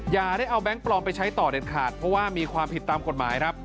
อย่าได้เอาแก๊งปลอมไปใช้ต่อเด็ดขาดเพราะว่ามีความผิดตามกฎหมายครับ